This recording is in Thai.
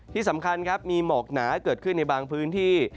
ที่สำคัญครับมีหมอกหนาเกิดขึ้นในบางพื้นที่